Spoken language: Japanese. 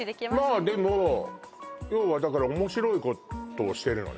まあでもようはだから面白いことをしてるのね？